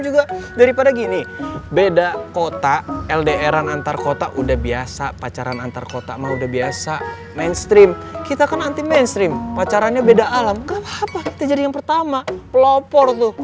gak apa apa kita jadi yang pertama pelopor tuh